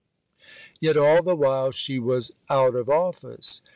Yet, all the while, she was "out of office."